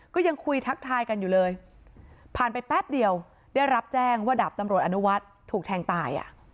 ก็ยังคุยทักทายกันอยู่เลยผ่านไปแป๊บเดียวได้รับแจ้งว่าดาบตำรวจอนุวัฒน์ถูกแทงตาย